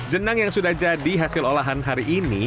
jenang yang sudah jadi hasil olahan hari ini